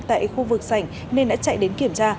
tại khu vực sảnh nên đã chạy đến kiểm tra